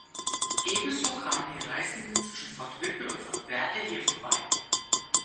Ebenso kamen die Reisenden zwischen Fort Whipple und Fort Verde hier vorbei.